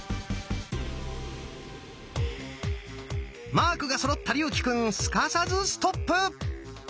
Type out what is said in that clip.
マークがそろった竜暉くんすかさずストップ！